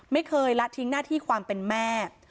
ไม่เคยละทิ้งหน้าที่ความเป็นแม่